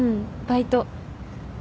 バイト。